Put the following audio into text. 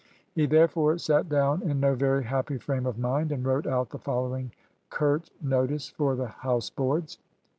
He therefore sat down in no very happy frame of mind and wrote out the following curt notice for the house boards.